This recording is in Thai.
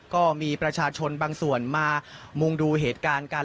ก็มีประชาชนบางส่วนมามุงดูเหตุการณ์กัน